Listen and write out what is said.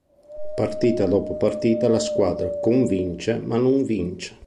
Partita dopo partita la squadra convince, ma non vince.